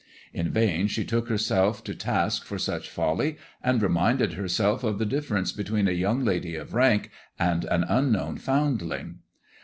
In vain she took herself to task for such folly, and reminded herself of the difference between a young lady of rank and an unknown foundling.